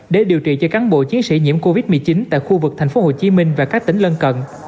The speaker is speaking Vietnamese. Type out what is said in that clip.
để điều trị cho cán bộ chiến sĩ nhiễm covid một mươi chín tại khu vực tp hcm và các tỉnh lân cận